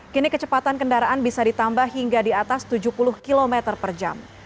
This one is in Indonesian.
kini kecepatan kendaraan bisa ditambah hingga di atas tujuh puluh km per jam